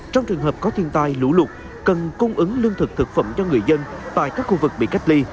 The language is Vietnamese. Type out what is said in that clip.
trong trường hợp có thiên tai lũ lụt cần cung ứng lương thực thực phẩm cho người dân tại các khu vực bị cách ly